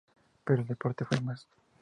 Pero el deporte fue más.